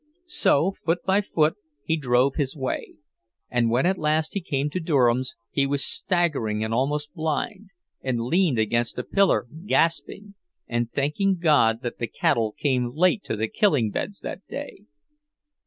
So foot by foot he drove his way, and when at last he came to Durham's he was staggering and almost blind, and leaned against a pillar, gasping, and thanking God that the cattle came late to the killing beds that day.